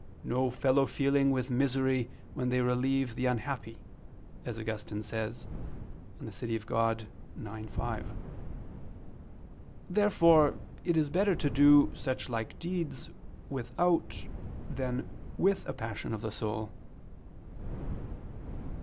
. no fellow feeling with misery when they relieve the unhappy," as Augustine says (De Civ. Dei ix, 5). Therefore it is better to do such like deeds without than with a passion of the soul.